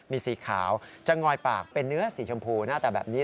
มีสีขาวจะงอยปากเป็นเนื้อสีชมพูหน้าตาแบบนี้